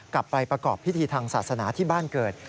กลับไปประกอบพิธีทางศาสนาที่บ้านเกิด